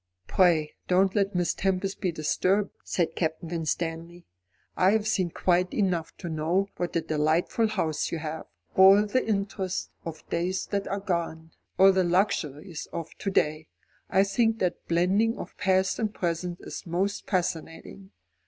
"Pray don't let Miss Tempest be disturbed," said Captain Winstanley. "I have seen quite enough to know what a delightful house you have all the interest of days that are gone, all the luxuries of to day. I think that blending of past and present is most fascinating.